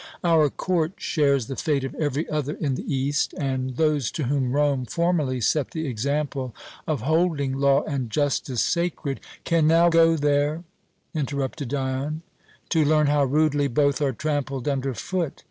Our court shares the fate of every other in the East, and those to whom Rome formerly set the example of holding law and justice sacred " "Can now go there," interrupted Dion, "to learn how rudely both are trampled under foot.